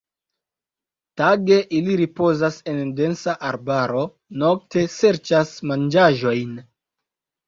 Tage ili ripozas en densa arbaro, nokte serĉas manĝaĵojn.